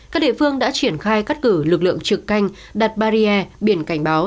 các địa phương đã triển khai cắt cử lực lượng trực canh đặt barrier biển cảnh báo